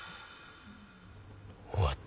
終わった。